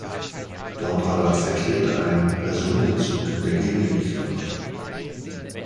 Dort aber verkehrte ein Personenzug in der Gegenrichtung.